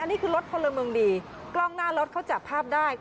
นี่คือรถพลเมืองดีกล้องหน้ารถเขาจับภาพได้